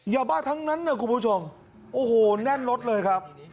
ยาบ้าทั้งนั้นนะคุณผู้ชมโอ้โหแน่นรถเลยครับ